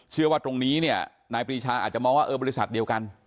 เชื่อว่าตรงนี้เนี่ยนายปรีชาอาจจะมองว่าเออบริษัทเดียวกัน